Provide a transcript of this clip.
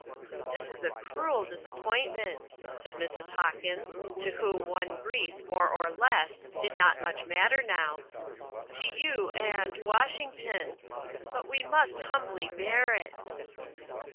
"This is a cruel disappointment," said Mrs. Hawkins, to whom one grief more or less did not much matter now, "to you and, Washington; but we must humbly bear it."